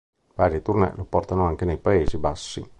Varie tournée lo portano anche nei Paesi Bassi.